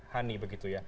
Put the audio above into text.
hani begitu ya